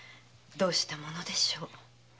どうしたものでしょう。